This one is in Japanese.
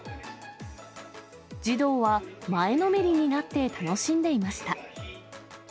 児童は前のめりになって、楽しんでいました。